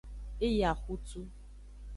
E yi axutu.